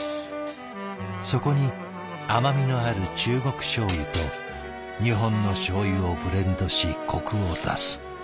そこに甘みのある中国しょう油と日本のしょう油をブレンドしコクを出す。